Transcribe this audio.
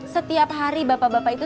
setiap hari bapak bapak itu